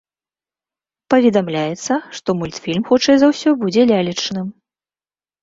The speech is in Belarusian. Паведамляецца, што мультфільм хутчэй за ўсё будзе лялечным.